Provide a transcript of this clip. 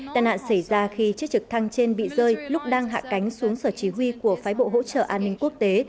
tàn nạn xảy ra khi chiếc trực thăng trên bị rơi lúc đang hạ cánh xuống sở chỉ huy của phái bộ hỗ trợ an ninh quốc tế